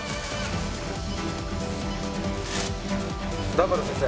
段原先生